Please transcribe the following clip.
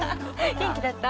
元気だった？